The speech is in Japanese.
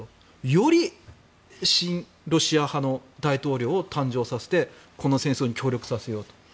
より親ロシア派の大統領を誕生させてこの戦争に協力させようと。